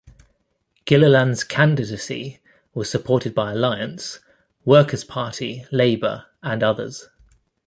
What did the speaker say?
Gilliland's candidacy was supported by Alliance, Workers' Party, Labour and others.